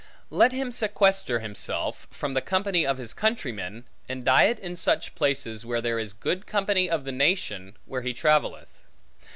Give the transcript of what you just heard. Let him sequester himself, from the company of his countrymen, and diet in such places, where there is good company of the nation where he travelleth.